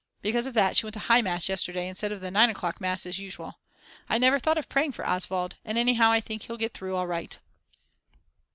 Because of that she went to High Mass yesterday instead of the 9 o'clock Mass as usual. I never thought of praying for Oswald, and anyhow I think he'll get through all right.